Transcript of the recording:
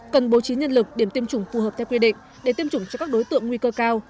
cần bố trí nhân lực điểm tiêm chủng phù hợp theo quy định để tiêm chủng cho các đối tượng nguy cơ cao